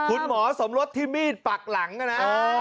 คุณหมอสมรสที่มีดปักหลังนะ